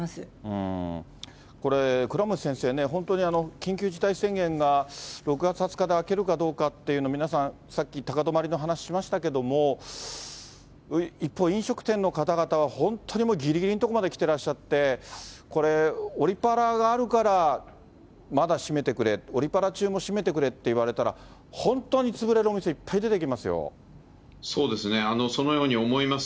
これ、倉持先生ね、本当に緊急事態宣言が６月２０日で明けるかどうかっていうのを、皆さんさっき、高止まりの話しましたけれども、一方、飲食店の方々は、本当にもうぎりぎりのところまできてらっしゃって、これ、オリパラがあるから、まだ閉めてくれ、オリパラ中も閉めてくれっていわれたら、本当に潰れるお店、いっそうですね、そのように思います。